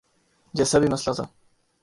جیسا بھی مسئلہ تھا۔